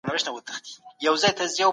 قصاص د ژوند د ساتني لپاره دی.